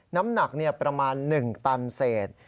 น้ำหนักประมาณ๑ตันเศษ